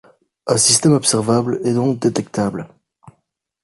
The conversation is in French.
Un système observable est donc détectable.